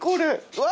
うわ！